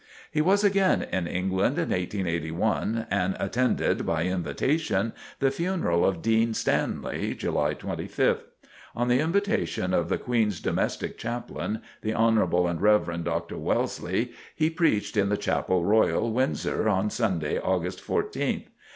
He was again in England in 1881 and attended, by invitation, the funeral of Dean Stanley, (July 25th). On the invitation of the Queen's Domestic Chaplain, the Hon. and Rev. Dr. Wellesley, he preached in the Chapel Royal, Windsor, on Sunday, August 14th.